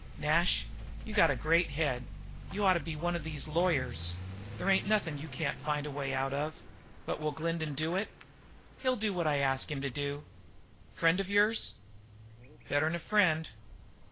"Nash, you got a great head. You ought to be one of these lawyers. There ain't nothin' you can't find a way out of. But will Glendin do it?" "He'll do what I ask him to do." "Friend of yours?" "Better'n a friend."